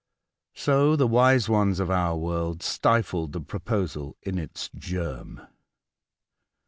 So the wise ones of our world stifled the proposal in its germ.